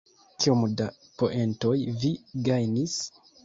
Kiom da poentoj vi gajnis?